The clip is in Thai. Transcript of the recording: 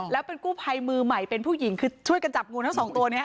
แล้วเป็นกู้ภัยมือใหม่เป็นผู้หญิงคือช่วยกันจับงูทั้งสองตัวนี้